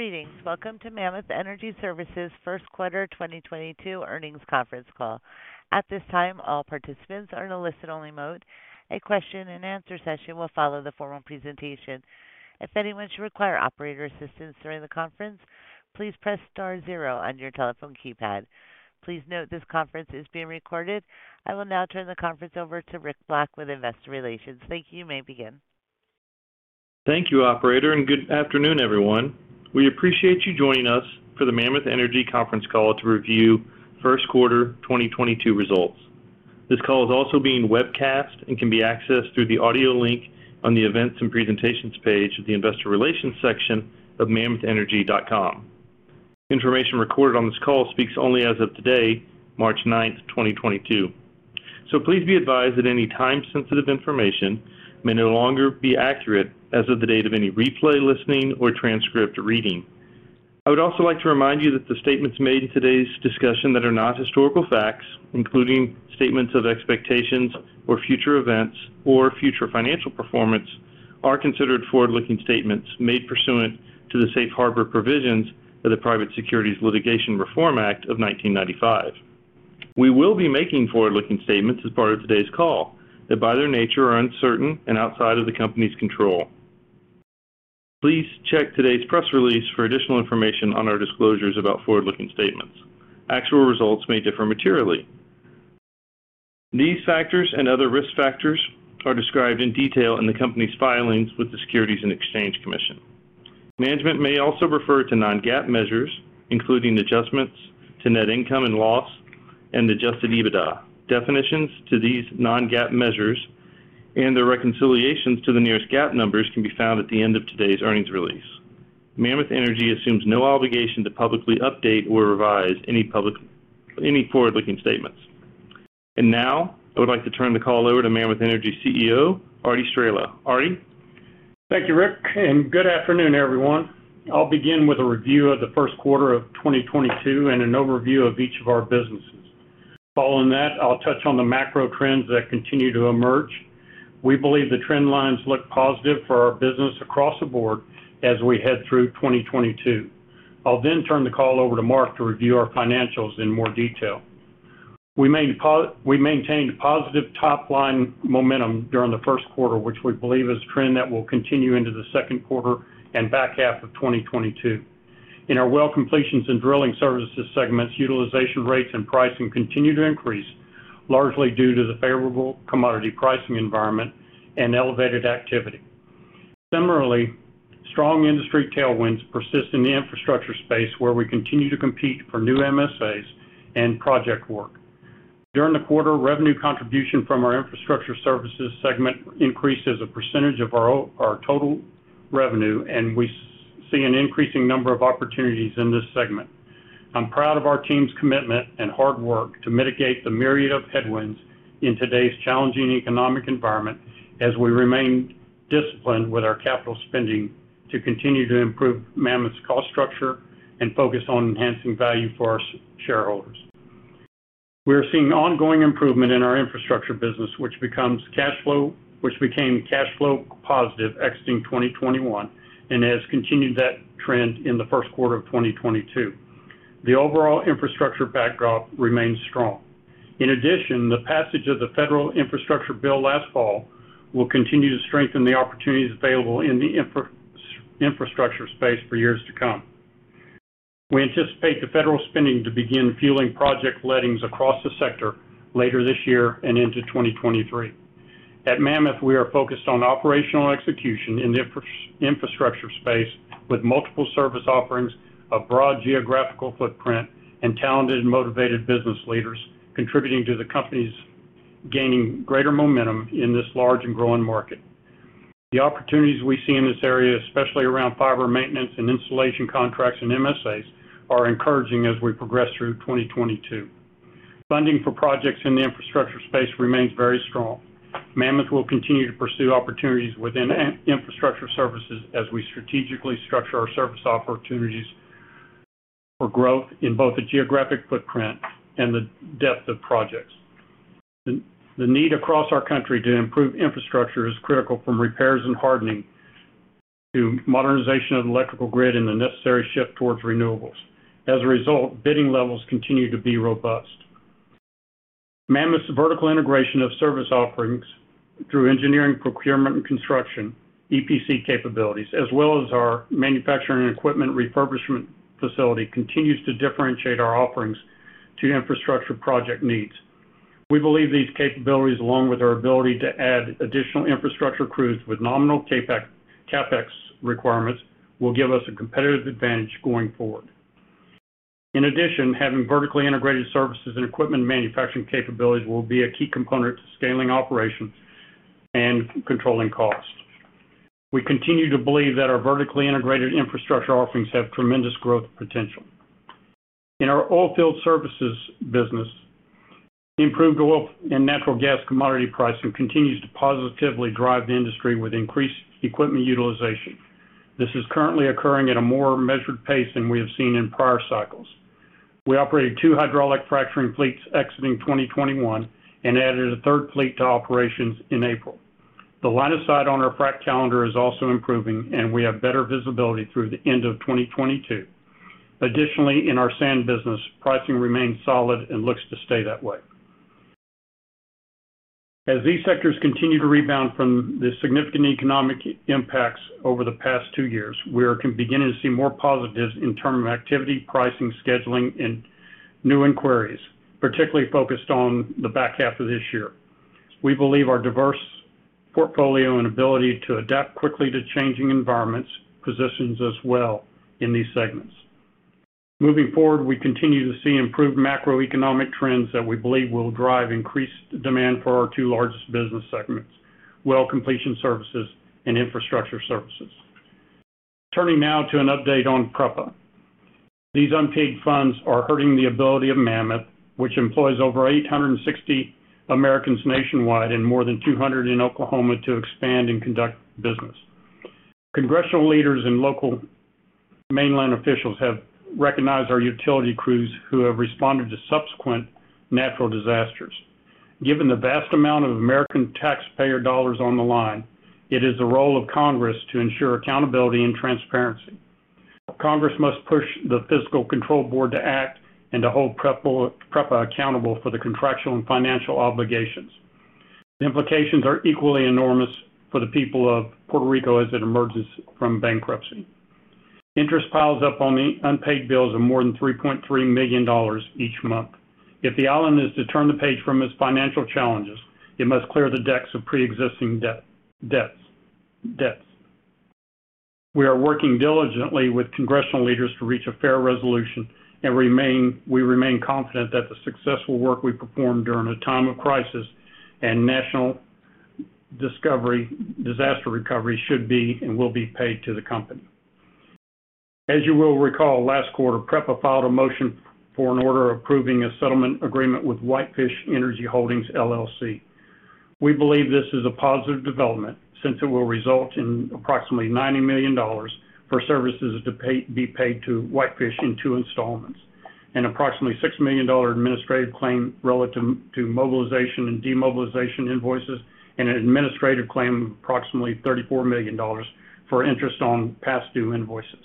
Greetings. Welcome to Mammoth Energy Services' first quarter 2022 earnings conference call. At this time, all participants are in a listen-only mode. A question-and-answer session will follow the formal presentation. If anyone should require operator assistance during the conference, please press star zero on your telephone keypad. Please note this conference is being recorded. I will now turn the conference over to Rick Black with Investor Relations. Thank you. You may begin. Thank you, operator, and good afternoon, everyone. We appreciate you joining us for the Mammoth Energy conference call to review first quarter 2022 results. This call is also being webcast and can be accessed through the audio link on the Events and Presentations page of the Investor Relations section of mammothenergy.com. Information recorded on this call speaks only as of today, March 9, 2022. Please be advised that any time-sensitive information may no longer be accurate as of the date of any replay listening or transcript reading. I would also like to remind you that the statements made in today's discussion that are not historical facts, including statements of expectations or future events or future financial performance, are considered forward-looking statements made pursuant to the Safe Harbor provisions of the Private Securities Litigation Reform Act of 1995. We will be making forward-looking statements as part of today's call that, by their nature, are uncertain and outside of the company's control. Please check today's press release for additional information on our disclosures about forward-looking statements. Actual results may differ materially. These factors and other risk factors are described in detail in the company's filings with the Securities and Exchange Commission. Management may also refer to non-GAAP measures, including adjustments to net income and loss and adjusted EBITDA. Definitions to these non-GAAP measures and their reconciliations to the nearest GAAP numbers can be found at the end of today's earnings release. Mammoth Energy assumes no obligation to publicly update or revise any forward-looking statements. Now, I would like to turn the call over to Mammoth Energy CEO, Arty Straehla. Arty? Thank you, Rick, and good afternoon, everyone. I'll begin with a review of the first quarter of 2022 and an overview of each of our businesses. Following that, I'll touch on the macro trends that continue to emerge. We believe the trend lines look positive for our business across the board as we head through 2022. I'll then turn the call over to Mark to review our financials in more detail. We maintained positive top-line momentum during the first quarter, which we believe is a trend that will continue into the second quarter and back half of 2022. In our well completions and drilling services segments, utilization rates and pricing continued to increase, largely due to the favorable commodity pricing environment and elevated activity. Similarly, strong industry tailwinds persist in the infrastructure space, where we continue to compete for new MSAs and project work. During the quarter, revenue contribution from our infrastructure services segment increased as a percentage of our total revenue, and we see an increasing number of opportunities in this segment. I'm proud of our team's commitment and hard work to mitigate the myriad of headwinds in today's challenging economic environment as we remain disciplined with our capital spending to continue to improve Mammoth's cost structure and focus on enhancing value for our shareholders. We are seeing ongoing improvement in our infrastructure business, which became cash flow positive exiting 2021 and has continued that trend in the first quarter of 2022. The overall infrastructure backdrop remains strong. In addition, the passage of the federal infrastructure bill last fall will continue to strengthen the opportunities available in the infrastructure space for years to come. We anticipate the federal spending to begin fueling project lettings across the sector later this year and into 2023. At Mammoth, we are focused on operational execution in the infrastructure space with multiple service offerings, a broad geographical footprint, and talented and motivated business leaders contributing to the company's gaining greater momentum in this large and growing market. The opportunities we see in this area, especially around fiber maintenance and installation contracts and MSAs, are encouraging as we progress through 2022. Funding for projects in the infrastructure space remains very strong. Mammoth will continue to pursue opportunities within infrastructure services as we strategically structure our service opportunities for growth in both the geographic footprint and the depth of projects. The need across our country to improve infrastructure is critical from repairs and hardening to modernization of the electrical grid and the necessary shift towards renewables. As a result, bidding levels continue to be robust. Mammoth's vertical integration of service offerings through engineering, procurement, and construction, EPC capabilities, as well as our manufacturing and equipment refurbishment facility, continues to differentiate our offerings to infrastructure project needs. We believe these capabilities, along with our ability to add additional infrastructure crews with nominal CapEx requirements, will give us a competitive advantage going forward. In addition, having vertically integrated services and equipment manufacturing capabilities will be a key component to scaling operations and controlling costs. We continue to believe that our vertically integrated infrastructure offerings have tremendous growth potential. In our oil field services business, improved oil and natural gas commodity pricing continues to positively drive the industry with increased equipment utilization. This is currently occurring at a more measured pace than we have seen in prior cycles. We operated 2 hydraulic fracturing fleets exiting 2021 and added a third fleet to operations in April. The line of sight on our frack calendar is also improving, and we have better visibility through the end of 2022. Additionally, in our sand business, pricing remains solid and looks to stay that way. As these sectors continue to rebound from the significant economic impacts over the past 2 years, we are beginning to see more positives in term of activity, pricing, scheduling, and new inquiries, particularly focused on the back half of this year. We believe our diverse portfolio and ability to adapt quickly to changing environments positions us well in these segments. Moving forward, we continue to see improved macroeconomic trends that we believe will drive increased demand for our two largest business segments, well completion services and infrastructure services. Turning now to an update on PREPA. These unpaid funds are hurting the ability of Mammoth, which employs over 860 Americans nationwide and more than 200 in Oklahoma, to expand and conduct business. Congressional leaders and local mainland officials have recognized our utility crews who have responded to subsequent natural disasters. Given the vast amount of American taxpayer dollars on the line, it is the role of Congress to ensure accountability and transparency. Congress must push the Fiscal Control Board to act and to hold PREPA accountable for the contractual and financial obligations. The implications are equally enormous for the people of Puerto Rico as it emerges from bankruptcy. Interest piles up on the unpaid bills of more than $3.3 million each month. If the island is to turn the page from its financial challenges, it must clear the decks of preexisting debts. We are working diligently with congressional leaders to reach a fair resolution and we remain confident that the successful work we performed during a time of crisis and national disaster recovery should be and will be paid to the company. As you will recall, last quarter, PREPA filed a motion for an order approving a settlement agreement with Whitefish Energy Holdings, LLC. We believe this is a positive development since it will result in approximately $90 million for services to be paid to Whitefish in two installments, and approximately $6 million administrative claim relative to mobilization and demobilization invoices, and an administrative claim of approximately $34 million for interest on past due invoices.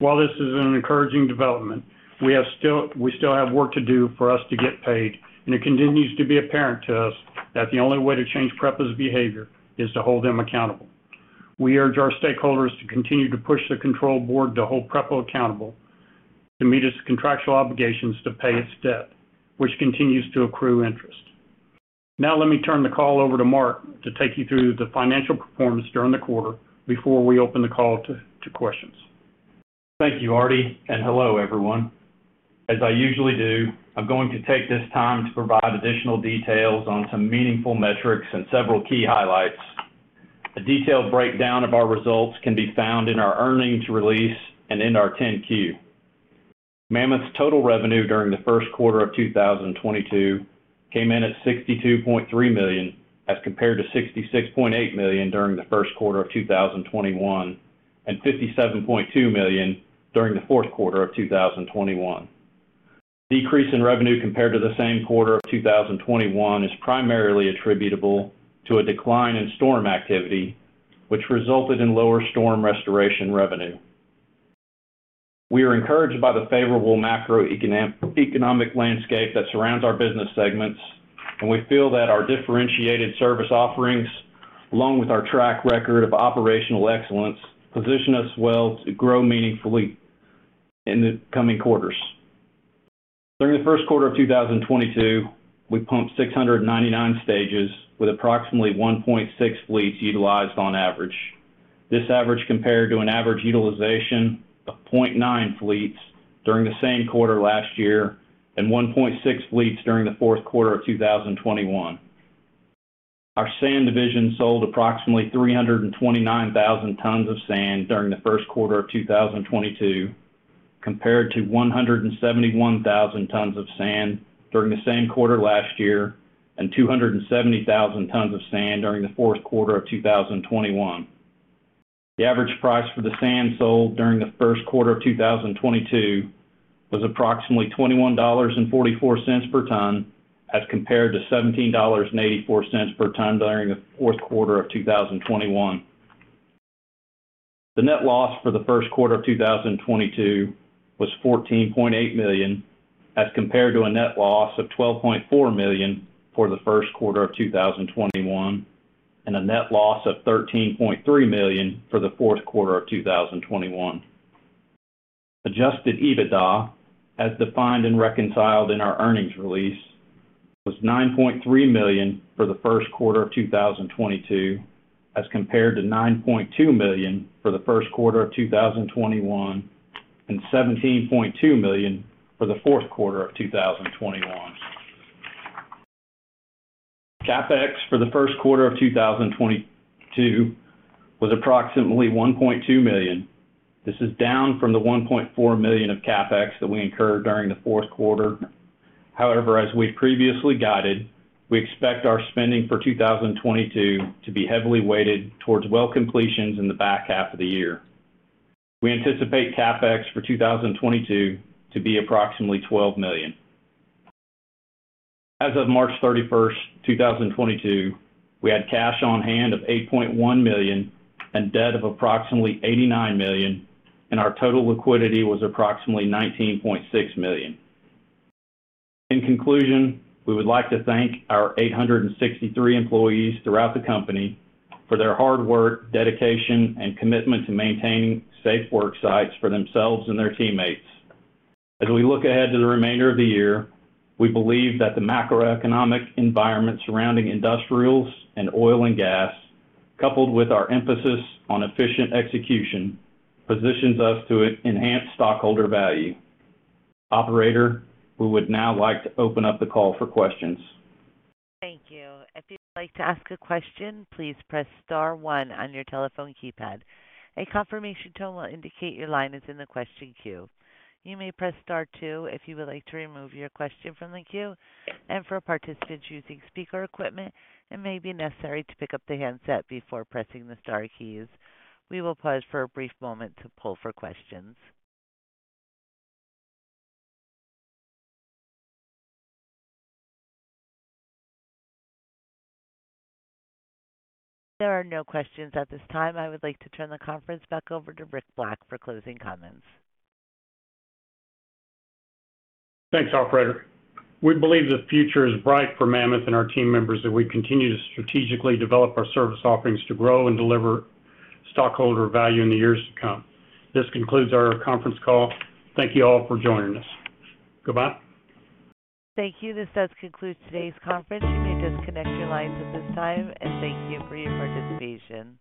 While this is an encouraging development, we still have work to do for us to get paid, and it continues to be apparent to us that the only way to change PREPA's behavior is to hold them accountable. We urge our stakeholders to continue to push the control board to hold PREPA accountable to meet its contractual obligations to pay its debt, which continues to accrue interest. Now let me turn the call over to Mark to take you through the financial performance during the quarter before we open the call to questions. Thank you, Arty, and hello, everyone. As I usually do, I'm going to take this time to provide additional details on some meaningful metrics and several key highlights. A detailed breakdown of our results can be found in our earnings release and in our 10-Q. Mammoth's total revenue during the first quarter of 2022 came in at $62.3 million, as compared to $66.8 million during the first quarter of 2021, and $57.2 million during the fourth quarter of 2021. Decrease in revenue compared to the same quarter of 2021 is primarily attributable to a decline in storm activity, which resulted in lower storm restoration revenue. We are encouraged by the favorable macroeconomic landscape that surrounds our business segments, and we feel that our differentiated service offerings, along with our track record of operational excellence, position us well to grow meaningfully in the coming quarters. During the first quarter of 2022, we pumped 699 stages with approximately 1.6 fleets utilized on average. This average compared to an average utilization of 0.9 fleets during the same quarter last year, and 1.6 fleets during the fourth quarter of 2021. Our sand division sold approximately 329,000 tons of sand during the first quarter of 2022, compared to 171,000 tons of sand during the same quarter last year, and 270,000 tons of sand during the fourth quarter of 2021. The average price for the sand sold during the first quarter of 2022 was approximately $21.44 per ton, as compared to $17.84 per ton during the fourth quarter of 2021. The net loss for the first quarter of 2022 was $14.8 million, as compared to a net loss of $12.4 million for the first quarter of 2021, and a net loss of $13.3 million for the fourth quarter of 2021. Adjusted EBITDA, as defined and reconciled in our earnings release, was $9.3 million for the first quarter of 2022, as compared to $9.2 million for the first quarter of 2021, and $17.2 million for the fourth quarter of 2021. CapEx for the first quarter of 2022 was approximately $1.2 million. This is down from the $1.4 million of CapEx that we incurred during the fourth quarter. However, as we've previously guided, we expect our spending for 2022 to be heavily weighted towards well completions in the back half of the year. We anticipate CapEx for 2022 to be approximately $12 million. As of March 31, 2022, we had cash on hand of $8.1 million and debt of approximately $89 million, and our total liquidity was approximately $19.6 million. In conclusion, we would like to thank our 863 employees throughout the company for their hard work, dedication, and commitment to maintaining safe work sites for themselves and their teammates. As we look ahead to the remainder of the year, we believe that the macroeconomic environment surrounding industrials and oil and gas, coupled with our emphasis on efficient execution, positions us to enhance stockholder value. Operator, we would now like to open up the call for questions. Thank you. If you would like to ask a question, please press star one on your telephone keypad. A confirmation tone will indicate your line is in the question queue. You may press star two if you would like to remove your question from the queue. For participants using speaker equipment, it may be necessary to pick up the handset before pressing the star keys. We will pause for a brief moment to poll for questions. There are no questions at this time. I would like to turn the conference back over to Rick Black for closing comments. Thanks, operator. We believe the future is bright for Mammoth and our team members as we continue to strategically develop our service offerings to grow and deliver stockholder value in the years to come. This concludes our conference call. Thank you all for joining us. Goodbye. Thank you. This does conclude today's conference. You may disconnect your lines at this time, and thank you for your participation.